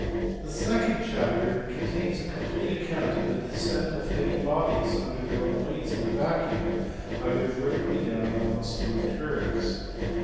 The second chapter contains a complete account of the descent of heavy bodies under their own weights in a vacuum, either vertically down or on smooth curves.